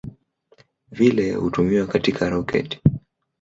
Vile hutumiwa katika roketi.